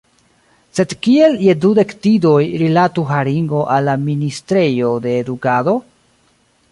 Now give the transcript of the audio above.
Sed kiel je dudek didoj rilatu haringo al la ministrejo de edukado?